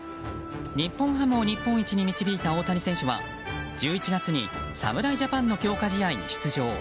日本ハムを日本一に導いた大谷選手は１１月に侍ジャパンの強化試合に出場。